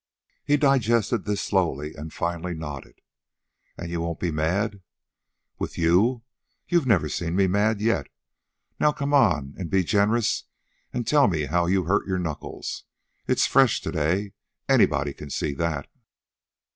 He digested this slowly, and finally nodded. "An' you won't be mad?" "With you? You've never seen me mad yet. Now come on and be generous and tell me how you hurt your knuckles. It's fresh to day. Anybody can see that."